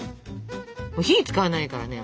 火使わないからね。